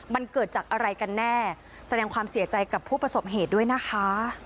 มันเกิดจากอะไรกันแน่แสดงความเสียใจกับผู้ประสบเหตุด้วยนะคะ